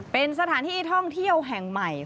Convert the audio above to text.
เป็นสถานที่ท่องเที่ยวแห่งใหม่